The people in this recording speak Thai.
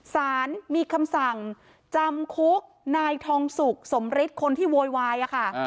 สารมีคำสั่งจำคุกนายทองสุกสมฤทธิ์คนที่โวยวายค่ะ